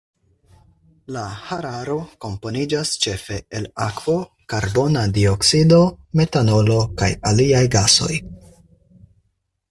La hararo komponiĝas ĉefe el akvo, karbona dioksido metanolo kaj aliaj gasoj.